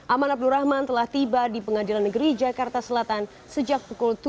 aman abdurrahman telah tiba di pengadilan negeri jakarta selatan sejak pukul tujuh